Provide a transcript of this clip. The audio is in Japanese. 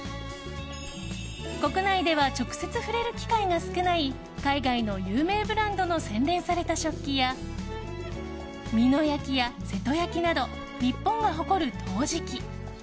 国内では直接触れる機会が少ない海外の有名ブランドの洗練された食器や美濃焼や瀬戸焼など日本が誇る陶磁器。